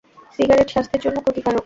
Cigarette, স্বাস্থ্যের জন্য ক্ষতিকারক।